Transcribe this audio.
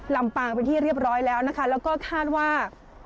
ลำปางเป็นที่เรียบร้อยแล้วนะคะแล้วก็คาดว่า